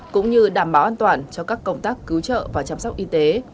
cũng như đảm bảo an toàn cho các công tác cứu trợ và chăm sóc y tế